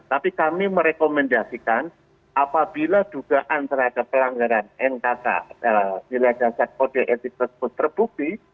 tapi kami merekomendasikan apabila dugaan terhadap pelanggaran nkk nilai dasar kode etik tersebut terbukti